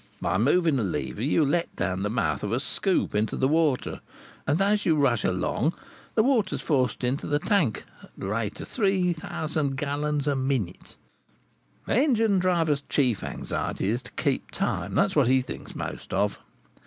By moving a lever you let down the mouth of a scoop into the water, and as you rush along the water is forced into the tank, at the rate of three thousand gallons a minute. "A engine driver's chief anxiety is to keep time; that's what he thinks most of.